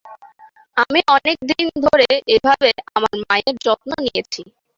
আমি অনেকদিন ধরে এভাবে আমার মায়ের যত্ন নিয়েছি।